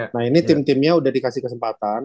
nah ini tim timnya udah dikasih kesempatan